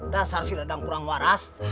dasar siledang kurang waras